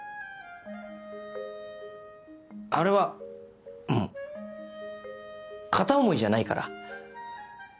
あれはもう片思いじゃないから。